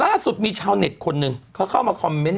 ล่าสุดมีชาวเน็ตคนหนึ่งเขาเข้ามาคอมเมนต